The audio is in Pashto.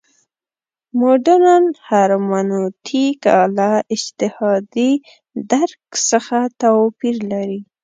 مډرن هرمنوتیک له اجتهادي درک څخه توپیر لري.